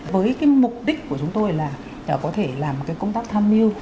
với cái mục đích của chúng tôi là có thể làm cái công tác tham mưu